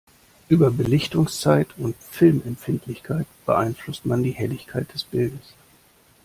Über Belichtungszeit und Filmempfindlichkeit beeinflusst man die Helligkeit des Bildes.